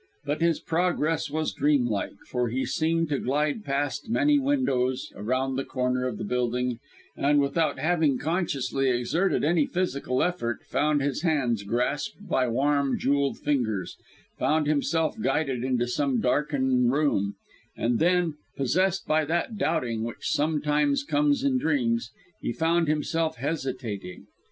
But his progress was dreamlike, for he seemed to glide past many windows, around the corner of the building, and, without having consciously exerted any physical effort, found his hands grasped by warm jewelled fingers, found himself guided into some darkened room, and then, possessed by that doubting which sometimes comes in dreams, found himself hesitating.